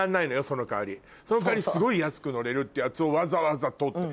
その代わりすごい安く乗れるってやつをわざわざ取って。